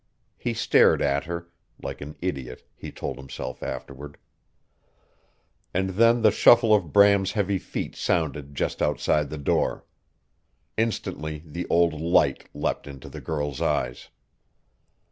He stared at her like an idiot he told himself afterward. And then the shuffle of Bram's heavy feet sounded just outside the door. Instantly the old light leapt into the girl's eyes.